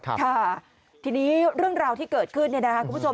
ค่ะทีนี้เรื่องราวที่เกิดขึ้นเนี่ยนะคะคุณผู้ชม